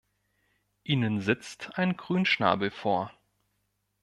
Ihnen sitzt ein Grünschnabel vor.